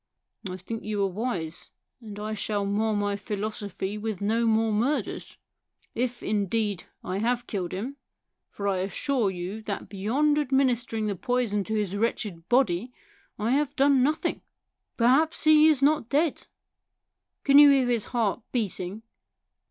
" I think you are wise, and I shall mar my philosophy with no more murders. If, indeed, I have killed him ; for I assure you that beyond administering the poison to his wretched body I have done nothing. Per haps he is not dead. Can you hear his heart beating